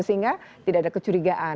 sehingga tidak ada kecurigaan